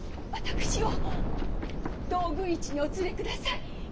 私を道具市にお連れください。